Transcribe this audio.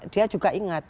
dia juga ingat